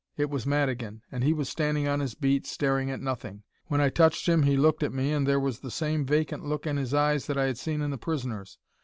It was Madigan and he was standing on his beat staring at nothing. When I touched him he looked at me and there was the same vacant look in his eyes that I had seen in the prisoner's.